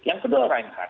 yang kedua renhan